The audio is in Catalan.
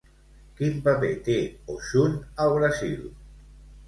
Quin paper té Oshún al Brasil?